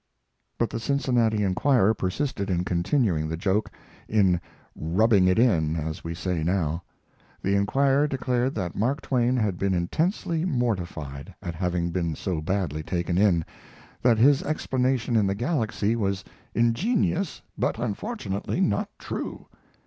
But the Cincinnati Enquirer persisted in continuing the joke in "rubbing it in," as we say now. The Enquirer declared that Mark Twain had been intensely mortified at having been so badly taken in; that his explanation in the Galaxy was "ingenious, but unfortunately not true."